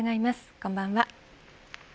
こんばんは。